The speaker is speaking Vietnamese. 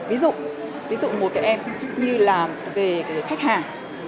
ví dụ một cái m như là về khách hàng